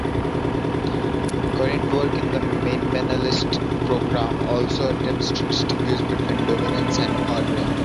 Current work in the Minimalist Program also attempts to distinguish between dominance and ordering.